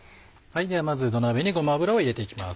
まず土鍋にごま油を入れていきます。